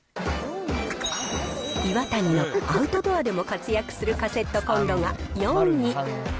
イワタニのアウトドアでも活躍するカセットコンロが４位。